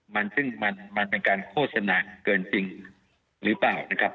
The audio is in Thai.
มันซึ่งมันเป็นการโฆษณาเกินจริงหรือเปล่านะครับ